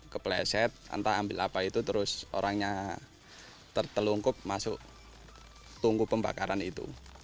kepleset entah ambil apa itu terus orangnya tertelungkup masuk tunggu pembakaran itu